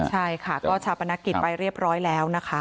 ใช่ค่ะก็ชาปนกิจไปเรียบร้อยแล้วนะคะ